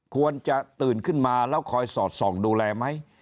ควรจะตื่นขึ้นมาแล้วคอยสอดส่องดูแลไหม